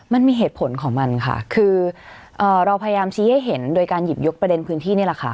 มันมีเหตุผลของมันค่ะคือเราพยายามชี้ให้เห็นโดยการหยิบยกประเด็นพื้นที่นี่แหละค่ะ